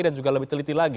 dan juga lebih teliti lagi